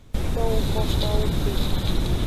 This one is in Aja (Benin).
Towo fokpawo ke.